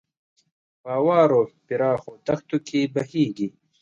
په هوارو پراخو دښتو کې بهیږي.